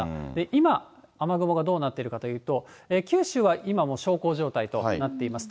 今、雨雲がどうなっているかというと、九州は今も小康状態となっています。